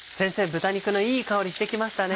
豚肉のいい香りしてきましたね。